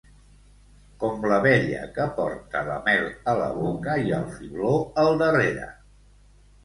Com l'abella que porta la mel a la boca, i el fibló al darrere.